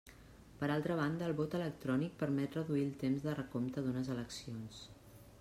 Per altra banda, el vot electrònic permet reduir el temps de recompte d'unes eleccions.